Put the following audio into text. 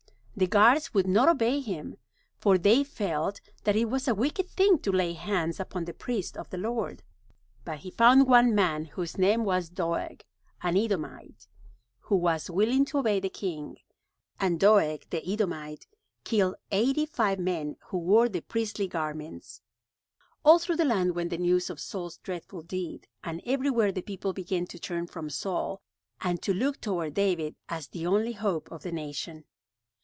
The guards would not obey him, for they felt that it was a wicked thing to lay hands upon the priests of the Lord. But he found one man whose name was Doeg, an Edomite, who was willing to obey the king. And Doeg, the Edomite, killed eighty five men who wore the priestly garments. All through the land went the news of Saul's dreadful deed, and everywhere the people began to turn from Saul, and to look toward David as the only hope of the nation.